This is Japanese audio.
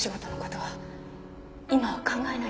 はい。